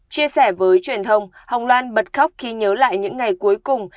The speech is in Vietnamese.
chia sẻ với truyền thông hồng loan bật khóc khi nhớ lại những ngày cuối cùng